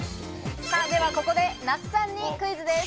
では、ここで那須さんにクイズです。